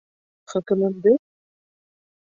Хөкөмөмдө?..